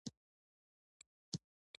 بیلابیلې ډلې او اشخاص یې تقویه او حمایه کړل